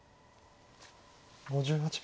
５８秒。